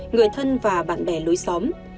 người thân và bạn bè lối xóm